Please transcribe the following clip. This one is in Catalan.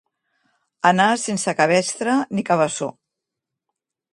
Anar sense cabestre ni cabeçó.